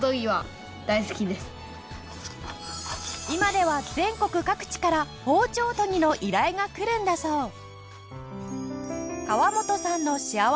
今では全国各地から包丁研ぎの依頼がくるんだそう